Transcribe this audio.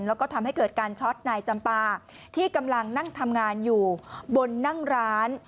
แล้วก็ทำให้เกิดการช็อตนายจำปาที่กำลังนั่งทำงานอยู่บนนั่งร้าน